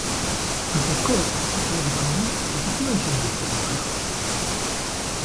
As the "Cortes" dragged on, the situation became violent.